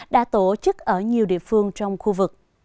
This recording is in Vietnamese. đã tổ chức ở nhiều địa phương trong khu vực